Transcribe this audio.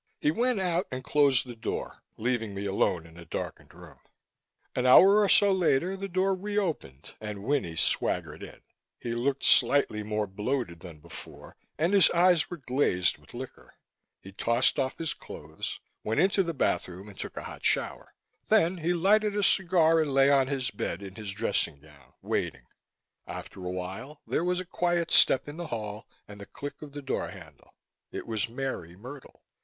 He went out and closed the door, leaving me alone in the darkened room. An hour or so later, the door reopened and Winnie swaggered in. He looked slightly more bloated than before and his eyes were glazed with liquor. He tossed off his clothes, went to the bathroom and took a hot shower. Then he lighted a cigar and lay on his bed, in his dressing gown, waiting After a while there was a quiet step in the hall and the click of the door handle. It was Mary Myrtle.